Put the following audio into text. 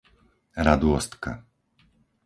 Radôstka